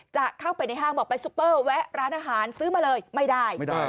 จะเข้าไปในห้างบอกไปซุปเปอร์แวะร้านอาหารซื้อมาเลยไม่ได้ไม่ได้